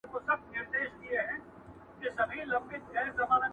له خپله سیوري خلک ویریږي؛